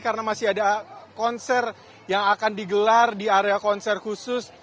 karena masih ada konser yang akan digelar di area konser khusus